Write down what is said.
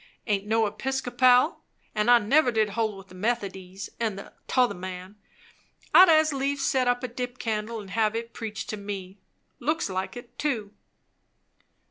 I aint no Episcopal; and I never did hold with the Methody's; and 'tother man, I'd as lieve set up a dip candle and have it preach to me. Looks like it, too."